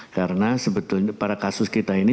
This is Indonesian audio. karena sebetulnya para kasus kita ini